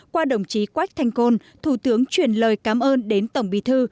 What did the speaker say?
qua đồng chí quách thanh côn thủ tướng chuyển lời cảm ơn đến tổng bí thư